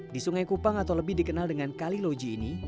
di sungai kupang atau lebih dikenal dengan kaliloji ini